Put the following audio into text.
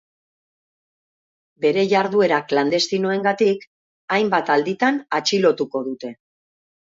Bere jarduera klandestinoengatik hainbat alditan atxilotuko dute.